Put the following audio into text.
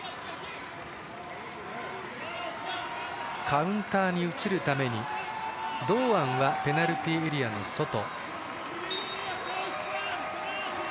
カウンターに移るために堂安はペナルティーエリアの外。